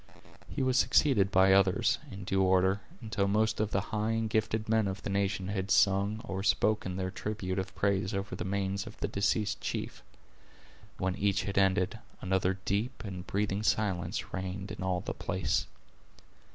He was succeeded by others, in due order, until most of the high and gifted men of the nation had sung or spoken their tribute of praise over the manes of the deceased chief. When each had ended, another deep and breathing silence reigned in all the place.